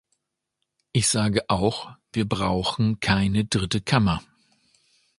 Ich sage auch, wir brauchen keine dritte Kammer.